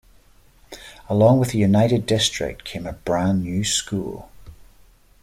Along with a united district came a brand new school.